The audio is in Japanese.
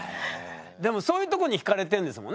でもそういうとこにひかれてんですもんね？